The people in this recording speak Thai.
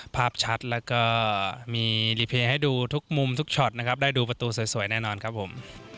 ภาพชัดและมีอันนี้ให้ดูทุกช้อนได้ดูประตูสวยแน่นอนครับผม